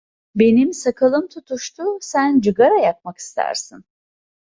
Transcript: Benim sakalım tutuştu, sen cigara yakmak istersin.